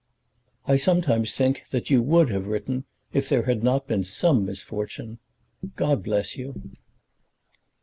I sometimes think that you would have written if there had not been some misfortune. God bless you.